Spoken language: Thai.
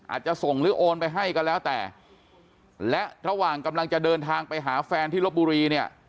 อาจจะส่งหรือโอนไปให้ก็แล้วแต่และระหว่างกำลังจะเดินทางไปหาแฟนที่ลบบุรีเนี่ย